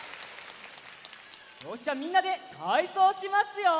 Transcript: よしじゃあみんなでたいそうしますよ！